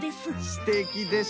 すてきです。